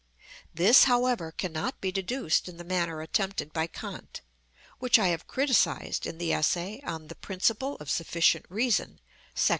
This, however, cannot be deduced in the manner attempted by Kant, which I have criticised in the essay on "The Principle of Sufficient Reason," § 23.